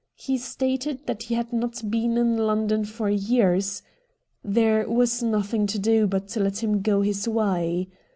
He stated that he had not been in London for years. There was nothing to do but to let him go his way.